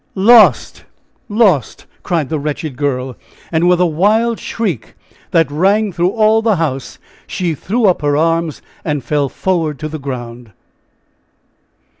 "Lost! lost!" cried the wretched girl; and, with a wild shriek that rang through all the house, she threw up her arms and fell forward to the ground.